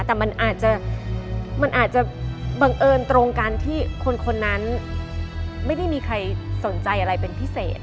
แต่มันอาจจะมันอาจจะบังเอิญตรงกันที่คนนั้นไม่ได้มีใครสนใจอะไรเป็นพิเศษ